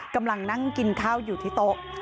กำลังนั่งกินข้าวอยู่ที่โต๊ะ